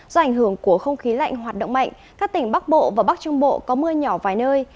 do ảnh hưởng của không khí lạnh hoạt động mạnh các tỉnh bắc bộ và bắc trung bộ có mưa nhỏ vài nơi